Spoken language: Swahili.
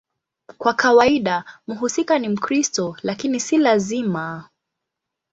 Kwa kawaida mhusika ni Mkristo, lakini si lazima.